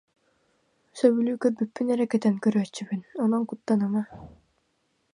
Сөбүлүү көрбүппүн эрэ кэтэн көрөөччүбүн, онон куттаныма